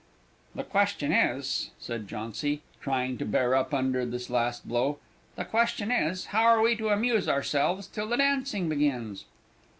"The question is," said Jauncy, trying to bear up under this last blow; "the question is, How are we to amuse ourselves till the dancing begins?"